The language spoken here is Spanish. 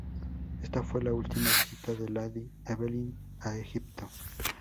Esta fue la última visita de Lady Evelyn a Egipto.